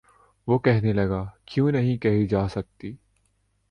وہ کہنے لگا:کیوں نہیں کہی جا سکتی؟